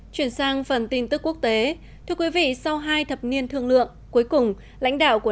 chuyển sang phần tin tức quốc tế thưa quý vị sau hai thập niên thương lượng cuối cùng lãnh đạo của